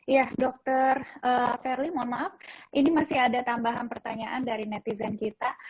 ya dokter verly mohon maaf ini masih ada tambahan pertanyaan dari netizen kita